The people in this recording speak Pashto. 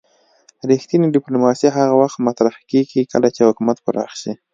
رښتینې ډیپلوماسي هغه وخت مطرح کیږي کله چې حکومت پراخ شي